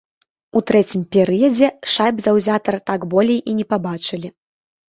У трэцім перыядзе шайб заўзятар так болей і не пабачылі.